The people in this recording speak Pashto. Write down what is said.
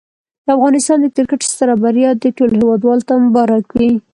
د افغانستان د کرکټ ستره بریا دي ټولو هېوادوالو ته مبارک وي.